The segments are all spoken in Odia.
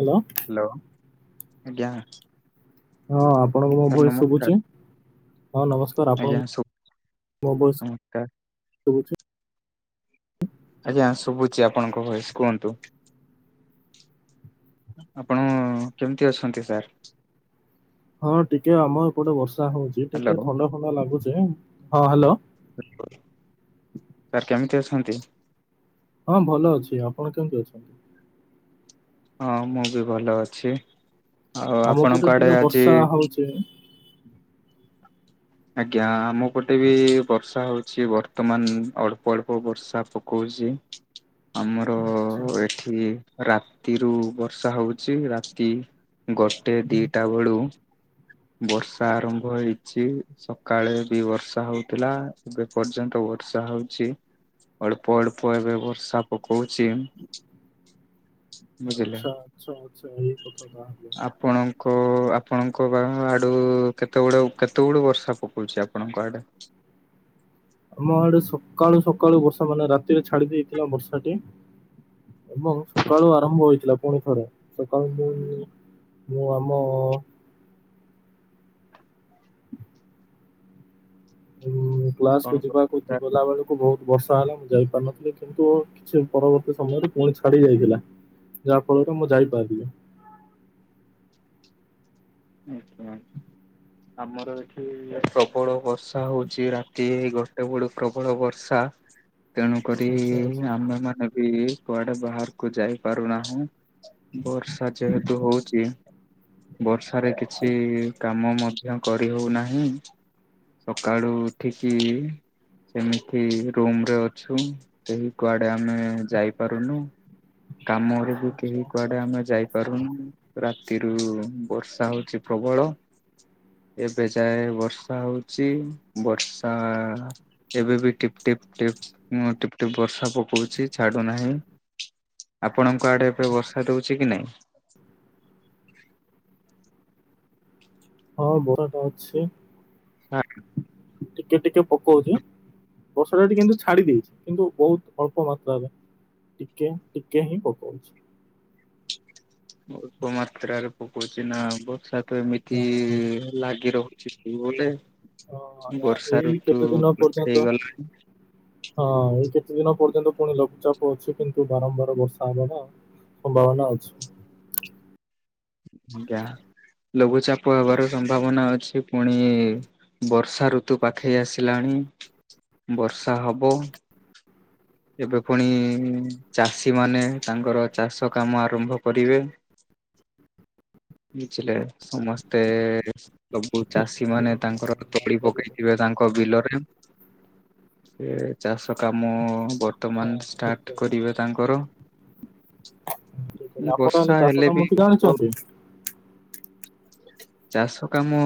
ହ୍ୟାଲୋ। ହାଲୋ ଆଜ୍ଞା। ହଁ ଆପଣଙ୍କୁ ମୋ ସାର୍ ଭଏସ ନମସ୍କାର ଶୁଭୁଛି ହଁ ନମସ୍କାର ଆଜ୍ଞା ଆପଣଙ୍କୁ। ଶୁ ମୋ ଭଏସ ନମସ୍କାର ଶୁଭୁଚି। ଆଜ୍ଞା ଶୁଭୁଛି ଆପଣଙ୍କ ଭୟସ୍ କୁହନ୍ତୁ। ଆପଣ କେମିତି ଅଛନ୍ତି ସାର୍। ହଁ ଟିକେ ଆମ ଏପଟେ ବର୍ଷା ହଉଛି ଟିକେ ହ୍ୟାଲୋ ଥଣ୍ଡା ଥଣ୍ଡା ଲାଗୁଛି ହଁ ହାଲୋ। ହା ଲୋ ସାର୍ କେମିତି ଅଛନ୍ତି। ହଁ ଭଲ ଅଛି ଆପଣ କେମିତି ଅଛନ୍ତି। ହଁ ମୁଁ ବି ଭଲ ଅଛି ଆଉ ଆମ ପଟେ ଆପଣଙ୍କ ଆଡେ ଟିକେ ଆଜି। ବର୍ଷା ହଉଛି ଆଜ୍ଞା ଆମ ପଟେ ବି ବର୍ଷା ହଉଛି ବର୍ତ୍ତମାନ ଅଳ୍ପ ଅଳ୍ପ ବର୍ଷା ପକଉଛି। ଆମର ଆଚ୍ଛା ଏଠି ରାତିରୁୁ ବର୍ଷା ହଉଛି ରାତି। ଗୋଟେ ହୁଁ, ଦିଟା ବେଳୁ ବର୍ଷା ଆରମ୍ଭ ହେଇଛି। ସକାଳେ ବି ବର୍ଷା ହଉଥିଲା ଏବେ ପର୍ଯ୍ୟନ୍ତ ବର୍ଷା ହଉଛି। ଅଳ୍ପ ଅଳ୍ପ ଏବେ ବର୍ଷା ପକଉଛି। ବୁଝିଲେ ଆଚ୍ଛା ଆଚ୍ଛା ଆଚ୍ଛା ଏଇ କଥାଟା। ଆପଣଙ୍କ। ଆପଣଙ୍କ ବା ଆଡୁ କେତେ ଗୁଡେ କେତେ ବେଳୁ ବର୍ଷା ପକଉଛି ଆପଣଙ୍କ ଆଡେ। ଆମ ଆଡେ ସକାଳୁ ସକାଳୁ ବର୍ଷା ମାନେ ରାତିରେ ଛାଡି ଦେଇେଥିଲା ବର୍ଷାଟି। ଏବଂ ସକାଳୁ ଆରମ୍ଭ ହୋଇଥିଲା ପୁଣି ଥରେ। ସକାଳୁ ମୁଁ ମୁଁ ଆମ। ଉଁ କଣ କ୍ଲାସକୁୁ ଯିବାକୁ ଗଲା ବେଳକୁ ବହୁତ ବର୍ଷା ହେଲା ମୁଁ ଯାଇ ପାରୁନଥିଲି କିନ୍ତୁ। ସେ ପରବର୍ତ୍ତୀ ସମୟରେ ପୁଣି ଛାଡି ଯାଇଥିଲା ଯାହା ଫଳରେ ମୁଁ ଯାଇପାରଲି। ଆଛା। ଆମର ଏଠି ପ୍ରବଳ ବର୍ଷା ହଉଛି ରାତି ଗୋଟେ ବଳୁ ପ୍ରବଳ ବର୍ଷା। ତେଣୁ କରି ଆଚ୍ଛା ଆଚ୍ଛା ଆମେ ମାନେ। ବି କୁଆଡେ ବାହାରକୁ ଯାଇ ପାରୁନାହୁଁ ବର୍ଷା ଯେହେତୁ ହଉଛି। ବର୍ଷାରେ କିଛି କାମ ମଧ୍ୟ କରି ହଉନାହିଁ। ସକାଳୁ ଉଠିକି। ସେମିତି ରୁମ ରେ ଅଛୁ କେହି କୁଆଡେ ଆମେ ଯାଇପାରୁନୁ। କାମରେ ବି ଆଚ୍ଛା କେହି ଆଚ୍ଛା କୁଆଡେ ଆଚ୍ଛା। ଆମେ ଯାଇପାରୁନୁ ରାତିରୁ ବର୍ଷ ର୍ଷା ହଉଛି ପ୍ରବଳ। ଏବେ ଯାଏ ବର୍ଷା ହଉଚୀ ବର୍ଷା। ଏବେ ବି ଟିପ୍ ଟିପ୍ ଟିପ୍ ଉଁ ଟିପ୍‌ ଟିପ୍ ବର୍ଷା। ପକଉଛି ଛାଡୁ ନାହିଁ ଆପଣଙ୍କ ଆଡେ ଏବେ ବର୍ଷା ଦଉଛି କି ନାଇଁ। ହଁ ବରଷା ଅଛି। [unintelligible] ଟିକେ ଟିକେ ପକଉଛି। ବର୍ଷା ଟା ଏଠି କିନ୍ତୁ ଛାଡି ଦେଇଛି କିନ୍ତୁ ବହୁତ ଅଳ୍ପ ମାତ୍ରାରେ। ଟିକେ ଟିକେ ହିଁ ପକାଉଛି। ଅଳ୍ପ ମାତ୍ରାରେ ପକଉଛି ନା ବର୍ଷା ତ ଏମିତି ହଁ ହଁ ଲାଗି ରହୁଛି। ଚି ବୋଲି ଆ- ବର୍ଷା ଏଇ ଋତୁ କେତେ ଦିନ ପର୍ଯ୍ୟନ୍ତ ହେଇଗଲାଣି। ହଁ ଏଇ କେତେ ଦିନ ପର୍ଯ୍ୟନ୍ତ ପୁଣି ଲଘୁଚାପ ଅଛି, କିନ୍ତୁ ବାରମ୍ବାର ବର୍ଷା ହବ ନା। ସମ୍ଭାବନା ଅଛି। ଆଜ୍ଞା, ଲଘୁଚାପ ହବାର ସମ୍ଭାବନା ଅଛି ପୁଣି ବର୍ଷା ଋତୁ ପାଖେଇ ଆସିଲାଣି ବର୍ଷା ହବ। ଏବେ ପୁଣି ଚାଷୀ ମାନେ ତାଙ୍କର ଚାଷ କାମ ଆରମ୍ଭ କରିବେ। ବୁଝିଲେ ସମସ୍ତେ ସବୁ ଚାଷୀ ହୁଁ ମାନେ ତାଙ୍କର ତୋଳି ଜାଣିପାରିଲେ ପକେଇଥିବେ ତା ତାଙ୍କ ବିଲରେ ସେ ଚାଷ କାମ ହଁ ବର୍ତମାନ ଠିକ ଷ୍ଟାର୍ଟ କରିବେ ତାଙ୍କର ଆପଣ ତାହେଲେ ବର୍ଷା ଚାଷ ହେଲେ ବି କାମଟି ଜାଣିଛନ୍ତି? ଚାଷ କାମ,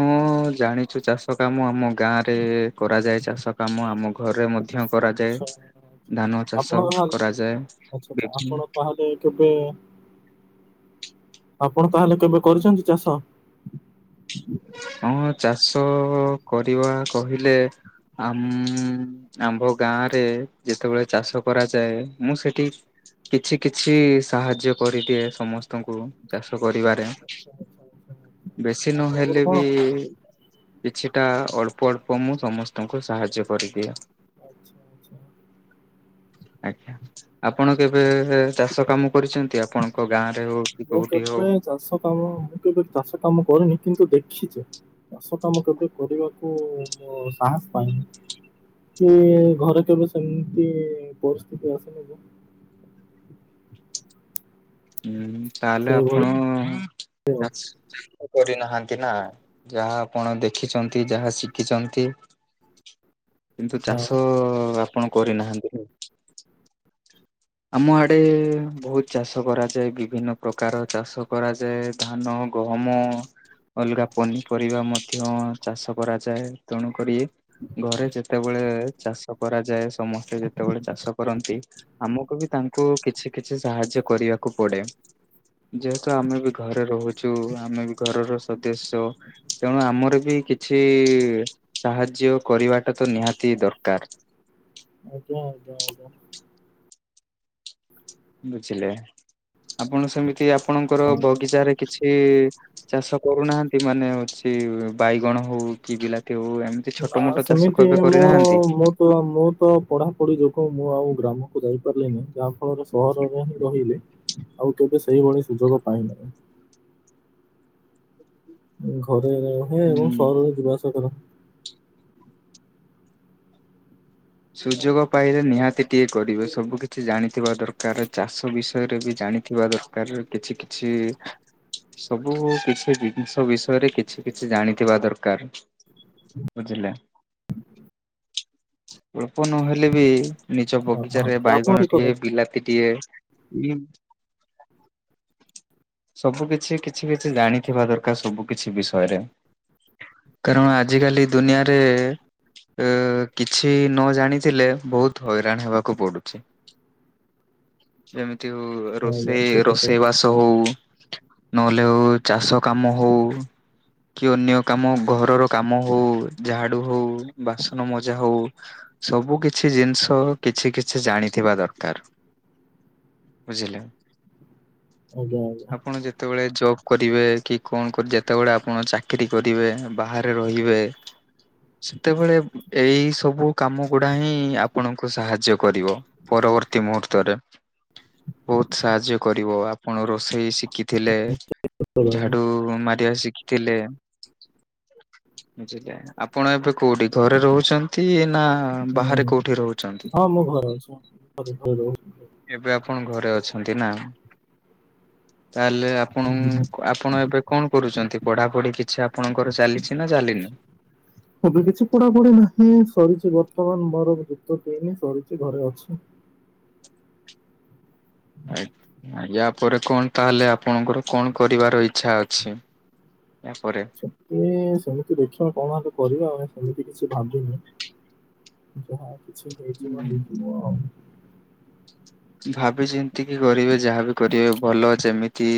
ଜାଣିଛୁ ଚାଷ କାମ, ଆମ ଗାଁ ରେ କରାଯାଏ ଚାଷ କାମ ଆମ ଘରେ ମଧ୍ୟ କରାଯାଏ। ଆଚ୍ଛା ଧାନ ଚାଷ ଆପଣ ତାହେଲେ, କରାଯାଏ। ଆଛା ଆଛା ବିଭିନ୍ନ ଆପଣ ତାହେଲେ କେବେ, ଆପଣ ତାହେଲେ କେବେ କରିଛନ୍ତି ଚାଷ? ହଁ ଚାଷ କରିବା କହିଲେ ଆମ ଆମ୍ଭ ଗାଁ ରେ, ଯେତେବେଳେ ଚାଷ କରାଯାଏ, ମୁଁ ସେଠି କିଛି କିଛି ସାହାଯ୍ୟ କରିଦିଏ, ସମସ୍ତଙ୍କୁ, ଚାଷ କରିବାରେ। ଆଚ୍ଛା ଆଚ୍ଛା ଆଚ୍ଛା ଆଚ୍ଛା। ବେଶୀ ଆପଣଙ୍କର ନହେଲେ କଣ ବି କିଛିଟା ଅଳ୍ପ, ଅଳ୍ପ ମୁଁ ସମସ୍ତଙ୍କୁ ସାହାଯ୍ୟ କରିଦିଏ। ଆଚ୍ଛା ଆଚଛା [inaudible] ଆଜ୍ଞା ଆପଣ କେବେ, ଚାଷ କାମ କରିଛନ୍ତି? ଆପଣଙ୍କ ଗାଁରେ ହଉ କି ମୁଁ କୋଉଠି ହଉ? କେବେ ଚାଷ କାମ, ମୁଁ କେବେ ଚାଷ କାମ କରିନି କିନ୍ତୁ ଦେଖ ଦେଖିଛ, ଚାଷ କାମ କେବେ କରିବାକୁ ମୋ ସାହସ ପାଇନି। କି ଘରେ କେବେ ସେମିତି ପରିସ୍ଥିତି ଆସିନି ଯେ ହୁଁ ତାହେଲେ ସେଇଭଳି ଆପଣ, ଆଉ ଚାଷ କରିନାହାନ୍ତି ନା? ଯାହା ଆପଣ ଦେଖିଛନ୍ତି, ଯାହା ଶିଖିଛନ୍ତି କିନ୍ତୁ ଚାଷ ଆପଣ କରିନାହାନ୍ତି? ଆମ ଆଡେ, ବହୁତ ଚାଷ କରାଯାଏ, ବିଭିନ୍ନ ପ୍ରକାର ଚାଷ କରାଯାଏ। ଧାନ, ଗହମ ଅଲଗା ପନିପରିବା ମଧ୍ୟ ଚାଷ କରାଯାଏ। ତେଣୁକରି, ଘରେ ଯେତେବେଳେ ଚାଷ କରାଯାଏ ସମସ୍ତେ ଯେତେବେଳେ ଚାଷ କରନ୍ତି ଆମକୁ ବି ତାଙ୍କୁ, କିଛି କିଛି ସାହାଯ୍ୟ କରିବାକୁ ପଡେ। ଯେହେତୁ ଆମେ ବି ଘରେ ରହୁଛୁ, ଆମେ ବି ଘରର ସଦସ୍ୟ। ତେଣୁ ଆମର ବି କିଛି, ସାହାଯ୍ୟ କରିବାଟା ତ ନିହାତି ଦରକାର। ଆଜ୍ଞା, ଆଜ୍ଞା, ଆଜ୍ଞା। ବୁଝିଲେ, ଆପଣ ସେମିତି ଆପଣଙ୍କର ହଁ ବଗିଚାରେ କିଛି ଚାଷ କରୁନାହାନ୍ତି? ମାନେ ହଉଛି ବାଇଗଣ ହଉ, କି ବିଲାତି ହଉ, ଏମିତି ଛୋଟ ନା ମୋଟ ଚାଷ ସେମିତି କେବେ ମୁଁ କରିନାହାନ୍ତି? ମ ତ ମୁଁ ତ ପଢ଼ାପଢ଼ି ଯୋଗୁଁ, ମୁଁ ଆଉ ଗ୍ରାମକୁ ଯାଇପାରିଲିିନି। ଯାହାଫଳରେ ସହରରେ ହିଁ ରହିଲି। ଆଉ କେବେ ସେଇଭଳି ସୁଯୋଗ ପାଇନାହିଁ। ଘରେ ରହେ ଏବଂ ହୁଁ। ସହରରେ ଯିବା ଆସିବା କରେ। ସୁଯୋଗ ପାଇଲେ ନିହାତି ଟିକେ କରିବେ। ସବୁ କିଛି ଜାଣିଥିବା ଦରକାର। ଚାଷ ବିଷୟରେ ବି ଜାଣିଥିବା ଦରକାର। କିଛି କିଛି ସବୁ କିଛି ଜିନିଷ ବିଷୟରେ, କିଛି କିଛି ଜାଣିଥିବା ଦରକାର। ବୁଝିଲେ? ଅଳ୍ପ ନହେଲେ ବି ନିଜ ଅ ବଗିଚାରେ ଆପଣ ବାଇଗଣ ଠିକ ଟିଏ, କଥା ବିଲାତି ଟିଏ [unintelligible] ସବୁ କିଛି କିଛି କିଛି ଜାଣିଥିବା ଦରକାର ସବୁ କିଛି ବିଷୟରେ। କାରଣ ଆଜିିକାଲି ଦୁନିଆରେ ଅ, କି ଛି ନ ଜାଣିଥିଲେ ବହୁତ ହଇରାଣ ହେବାକୁ ପଡୁଛି। ଯେମିତି ହଉ ଏ ଆଜ୍ଞା ରୋଷେଇ ଠିକ କଥା ରୋଷେଇ ବାସ ହଉ। ନହେଲେ ହଉ ଚାଷ କାମ ହଉ। କି ଅନ୍ୟ କାମ ଘରର କାମ ହଉ ଝାଡୁ ହଉ, ବାସନ ମଜା ହଉ। ସବୁ କିଛି ଜିନିଷ କିଛି କିଛି ଜାଣିଥିବା ଦରକାର। ବୁଝିଲେ? ଆଜ୍ଞା ଆଜ୍ଞା। ଆପଣ ଯେ ତେବେଳେ ଜବ୍ କରିବେ କି କଣ କରି ଯେତେବେଳେ ଆପଣ ଚାକିରୀ କରିବେ ବାହାରେ ରହିବେ। ସେତେବେଳେ ଏଇ ସବୁ କାମ ଗୁଡା ହିଁ ଆପଣଙ୍କୁ ସାହାଯ୍ୟ କରିବ ପରବର୍ତ୍ତୀ ମୁହୂର୍ତ୍ତରେ। ବହୁତ ସାହାଯ୍ୟ କରିବ ଆପଣ ରୋଷେଇ ଶିକି ଥିଲେ, ବୁଝିପାରିଲି। ଝାଡୁ ମାରିବା ଶିଖିଥିଲେ ବୁଝିଲେ? ଆପଣ ଏବେ କୋଉଠି ଘରେ ରହୁଛନ୍ତି ନା ହୁଁ, ବାହାରେ କୋଉଠି ରହୁଛନ୍ତି? ହଁ ମୁଁ ଘରେ ଅଛି। [inaudible] ଏବେ ଆପଣ ଘରେ ଅଛନ୍ତି ନା? ତାହେଲେ ଆପଣ ଆପଣ ଏବେ କଣ କରୁଛନ୍ତି? ପଢାପଢି କିଛି ଆପଣଙ୍କର ଚାଲିଛି ନା ଚାଲିନି? ହ ଏବେ କିଛି ପଡାପଢି ନାହିଁ ସରିଛି, ବର୍ତ୍ତମାନ ମୋର ଯୁକ୍ତ ତିନି ସରିଛି ଘରେ ଅଛି। ଆ, ଆଜ୍ଞା ଆ ପରେ କଣ ତାହେଲେ ଆପଣଙ୍କର କଣ କରିବାର ଇଚ୍ଛା ଅଛି? ୟା ପରେ ଯଦି ସେମିତି ଦେଖିବା କଣ ହେଲେ କରିବା ଏବେ ସେମିତି କିଛି ଭାବିନି। ଯାହା କିଛି ହେଇଯିବ ହୁଁ। ହେଇଥିବ। ଭାବି ଚିନ୍ତି କିି କରିବେ ଯାହାବି କରିବେ ଭଲ, ଯେମିତି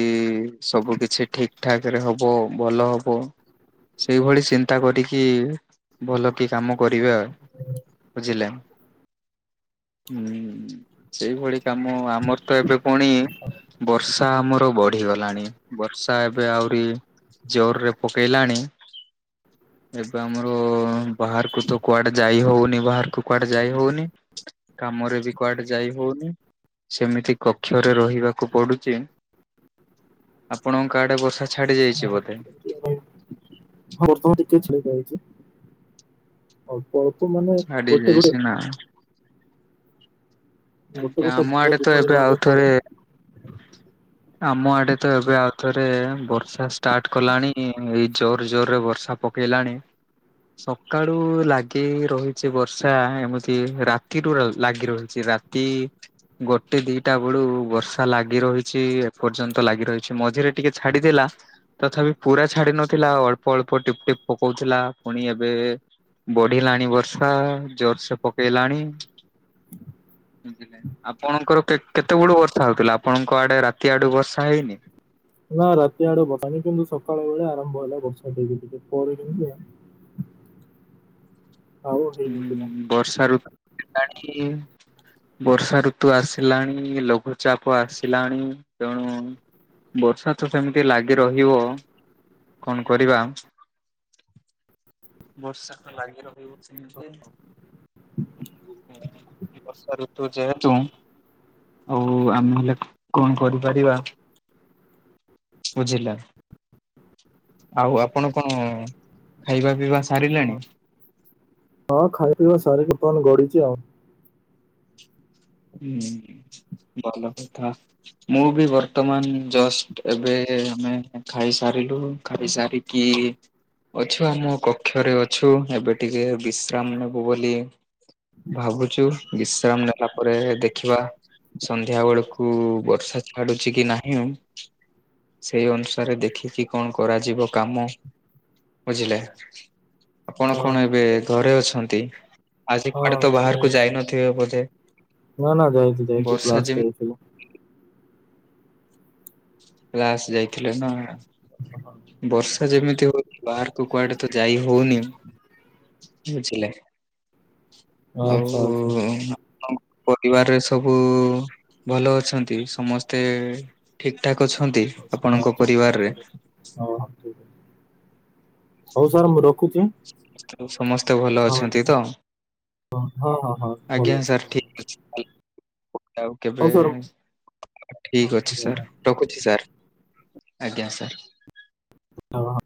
ସବୁ କିଛି ଠିକ୍ ଠାକରେ ହବ ଭଲ ହବ। ସେଇଭଳି ଚିନ୍ତା କରିକି ଭଲ କି କାମ କରିବେ ଆ। ବୁଝିଲେ? ସେଇଭଳି କାମ ଆମର ତ ଏବେ ପୁଣି ବର୍ଷା ଆମର ବ ଢିଗଲାଣି, ବର୍ଷା ଏବେ ଆହୁରି ଜୋରରେ ପକେଇଲାଣି। ଏବେ ଆମର ବାହାରକୁ ତ କୁଆଡେ ଯାଇ ହଉନି ବାହାରକୁ। କୁଆଡେ ଯାଇ ହଉନି, କାମରେ ବି କୁଆଡେ ଯାଇ ହଉନି ସେମିତି କକ୍ଷରେ ରହିବାକୁ ପଡୁଚି। ଆପଣଙ୍କ ଆଡେ ବର୍ଷା ଛାଡି ଯାଇଛି ବୋଧେ? ଏବେ ହଁ ବର୍ତ୍ତମାନ ଟିକେ ଛାଡି ଯାଇଛି। ଅଳ୍ପ ଅଳ୍ପ ମାନେ ଛାଡି ଗୋଟେ ଯାଇଛି ଗୋଟେ ନା। ଗୋଟେ ଆଜ୍ଞା, ଗୋଟେ ଆମ ବୁନ୍ଦା ଆଡେ ତ କିଭଳି ଏବେ ଭାବେ ଆଉ ପଡେ ଥରେ ଆମ ଆଡେ ତ ଏବେ ଆଉ ଥରେ ବର୍ଷା ଷ୍ଟାର୍ଟ କଲାଣି। ଏଇ ଜୋର ଜୋର ରେ ବର୍ଷା ପକେଇଲାଣି। ସକାଳୁ ଲାଗି ହେଇ ରହିଛି ବର୍ଷା ଏମିତି ରାତିରୁୁ ଅ, ଲାଗି ରହିଛି ରା ତି ଗୋଟେ ଦିଟା ବେଳୁ ବର୍ଷା ଲାଗି ରହି ଛି, ଏପର୍ଯ୍ୟନ୍ତ ଲାଗି ରହିଛି ମଝିରେ ଟିକେ ଛାଡିଥିଲା। ତଥାପି ପୁରା ଛାଡି ନଥିଲା ଅଳ୍ପ ଅଳ୍ପ ଟିପ୍ ଟିପ୍ ପକଉଥିଲା। ପୁଣି ଏବେ ବଢ଼ିଲାଣି ବର୍ଷା ଜୋରସରେ ପକେଇଲାଣି। ବୁଝିଲେ ଆପଣଙ୍କର କେତେବେଳୁ ବର୍ଷା ହଉଥିଲା ଆପଣଙ୍କ ଆଡ଼େ ରାତି ଆଡ଼ୁ ବର୍ଷା ହେଇନି? ନା ରାତି ଆଡ଼େ [unintelligible] କିନ୍ତୁ ସକାଳ ବେଳେ ଆରମ୍ଭ ହେଲା ବର୍ଷା ଧୀରେ ଧୀରେ [unintelligible] [inaudible] ଆଉ ହେଇନଥିଲା ହୁଁ ବର୍ଷା ଋତୁ ହେଲାଣି। ବର୍ଷା ଋତୁ ଆସିଲାଣି ଲଘୁଚାପ ଆସିଲାଣି ତେଣୁ ବର୍ଷା ତ ସେମିତି ଲାଗି ରହିବ କଣ କରିବା? ବର୍ଷା ତ ଲାଗି ରହିବ। ସେମିତି ବର୍ଷା ଋତୁ ଯେହେତୁ ଆଉ ଆମେ ହେଲେ କଣ କରିପାରିବା? ବୁଝିଲା ଆଉ ଆପଣ କଣ? ଖାଇବା ପିଇବା ସାରିଲାଣି। ହଁ ଖାଇ ପିଇବା ସାରିକି ବମାନ ଗଡୁଛି ଆଉ। ହୁଁ ଭଲ କଥା। ମୁଁ ବି ବର୍ତ୍ତମାନ ଜଷ୍ଟ ଏବେ ଆମେ ଖାଇସାରିଲୁ ଖାଇସାରି କି ଅଛୁ ଆମ କକ୍ଷରେ ଅଛୁ ଏବେ ଟିକେ ବିଶ୍ରାମ ନବୁ ବୋଲି ଭାବୁଛୁ ବିଶ୍ରାମ ନେଲା ପରେ ଦେଖିବା ସନ୍ଧ୍ୟା ବେଳକୁ ବର୍ଷା ଛାଡ଼ୁଛି କି ନାହିଁ? ସେଇ ଅନୁସାରେ ଦେଖିକି କଣ କରାଯିବ କାମ? ବୁଝିଲା। ଆପଣ ହଁ କଣ ଠିକ ଏବେ କହିଲେ ଘରେ ଅଛନ୍ତି ଆଜି କୁଆଡ଼େ ହଁ ତ ଘରେ ବାହାରକୁ ଅଛି ଯାଇନଥିବେ ବୋଧେ ନା ନା ଯାଇଛି ଯାଇଛି ବର୍ଷା କ୍ଲାସ ଯେମିତି ଯାଇଥିଲି। କ୍ଲାସ ଯାଇଥିଲେ ନା କଣ? ହଁ, ବର୍ଷା ଯେମିତି ହଉଛି ବାହାରକୁ କୁଆଡ଼େ ତ ଯାଇ ହଉନି। ବୁଝିଲେ ଆଉ ଆଚ୍ଛା ଆଚ୍ଛା ଆଚ୍ଛା। ଆଉ ପରିବାରରେ ସବୁ ଭଲ ଅଛନ୍ତି ସମସ୍ତେ ଠିକ୍ ଠାକ୍ ଅଛନ୍ତି। ହଁ ଆପଣଙ୍କ ସମସ୍ତେ ପରିବାରରେ ଠିକ୍ ଅଛି ହଁ ହଁ ଠିକ୍ ଅଛି। ହଉ ସାର୍ ମୁଁ ରଖୁଛି ତ ସମସ୍ତେ ଭଲ ହଉ ଅଛନ୍ତି ତ? ହଉ। ହ ହଁ ହଁ ହଁ ଆଜ୍ଞା ଭଲ। ସାର୍ ଭଲ ଠିକ ଅଛି ଅଛି ଆଉ ହଉ କେବେ ସାର୍ ହଁ ଠିକ୍ ହଁ ଅଛି ସାର୍। ଧନ୍ୟବାଦ। ରଖୁଛି ସାର୍ ଆଜ୍ଞା ସାର୍। [unintelligible]